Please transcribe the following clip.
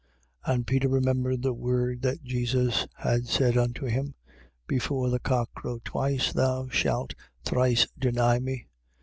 And Peter remembered the word that Jesus had said unto him: Before the cock crow twice, thou shalt thrice deny me.